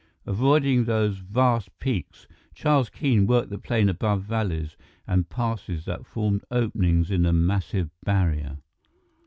Avoiding those vast peaks, Charles Keene worked the plane above valleys and passes that formed openings in the massive barrier.